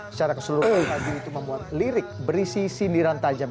secara keseluruhan lagu itu memuat lirik berisi sindiran tajam